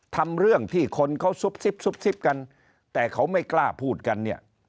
ทำเรื่องที่คนเขาซุบซิบซุบซิบกันแต่เขาไม่กล้าพูดกันเนี่ย